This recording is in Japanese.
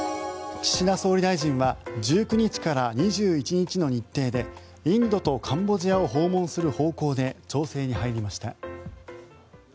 岸田総理大臣は１９日から２１日の日程でインドとカンボジアを訪問する方向で調整に入りました。